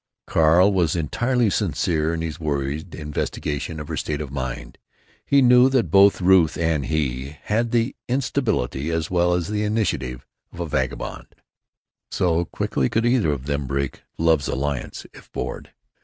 Carl was entirely sincere in his worried investigation of her state of mind. He knew that both Ruth and he had the instability as well as the initiative of the vagabond. As quickly as they had claimed each other, so quickly could either of them break love's alliance, if bored.